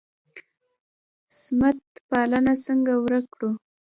سمت پالنه څنګه ورک کړو؟